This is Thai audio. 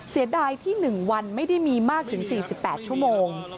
เสียดายที่๑วันไม่ได้มีมากถึง๔๘ชั่วโมง